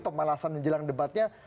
pemalasan menjelang debatnya